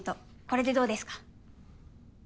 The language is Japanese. これでどうですか？